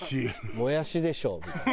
「もやしでしょ」みたいな。